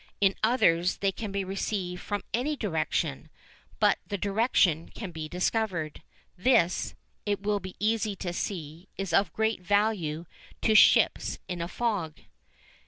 In others, they can be received from any direction, but the direction can be discovered. This, it will be easy to see, is of great value to ships in a fog.